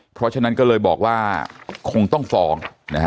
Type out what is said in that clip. เพราะฉะนั้นก็เลยบอกว่าคงต้องฟ้อง